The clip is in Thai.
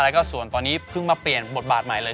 แล้วก็ส่วนตอนนี้เพิ่งมาเปลี่ยนบทบาทใหม่เลย